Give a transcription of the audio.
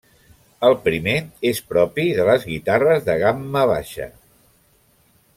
El primer és propi de les guitarres de gamma baixa.